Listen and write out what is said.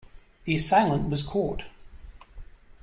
The assailant was caught.